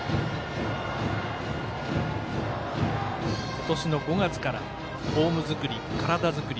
今年の５月からフォーム作り体作り